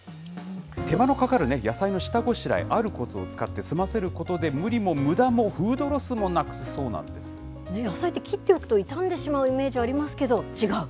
手間のかかる野菜の下ごしらえ、あるこつを使って済ませることで、無理も、むだも、野菜って切っておくと、傷んでしまうイメージありますけど、違う？